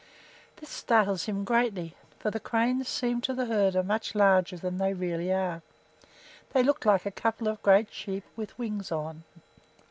This startles him greatly, for the cranes seem to the herder much larger than they really are. They look like a couple of great sheep with wings on.